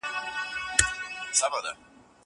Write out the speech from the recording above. هغه وويل چي لاس مينځل مهم دي!